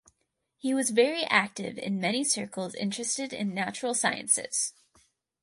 He was very active in many circles interested in natural sciences.